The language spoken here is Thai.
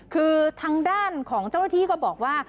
คือทางด้านของเจ้าหน้าที่ก็บอกว่า